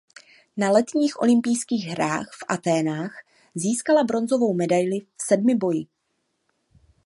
Na letních olympijských hrách v Athénách získala bronzovou medaili v sedmiboji.